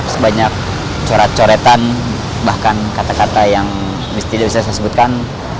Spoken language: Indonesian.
sebanyak coret coretan bahkan kata kata yang tidak bisa saya sebutkan